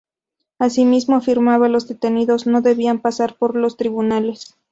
Asimismo, afirmaba los detenidos no debían pasar por los Tribunales.